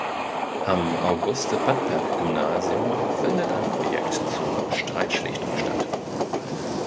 Am Auguste-Pattberg-Gymnasium findet ein Projekt zur Streitschlichtung statt.